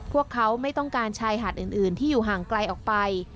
พวกเขาไม่ต้องการชายหาดอื่นที่อยู่ห่างไกลออกไป